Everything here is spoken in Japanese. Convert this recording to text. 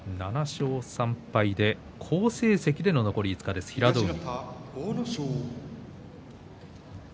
７勝３敗と好成績での残り５日です、平戸海。